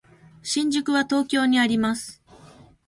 新宿は東京にあります。